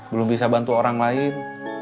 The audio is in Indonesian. belum bisa bantu orang lain